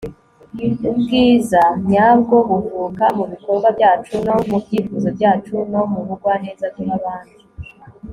ubwiza nyabwo buvuka mubikorwa byacu no mubyifuzo byacu no mubugwaneza duha abandi